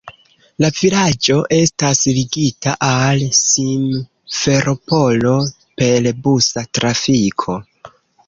La vilaĝo estas ligita al Simferopolo per busa trafiko.